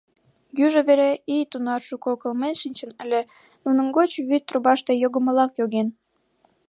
Южо вере ий тунар шуко кылмен шинчын ыле — нунын гоч вӱд трубаште йогымылак йоген.